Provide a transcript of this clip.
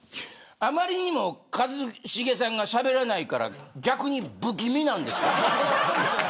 あまりにも一茂さんがしゃべらないから逆に不気味なんですけど。